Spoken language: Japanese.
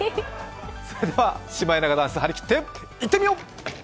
それではシマエナガダンス張り切っていってみよう！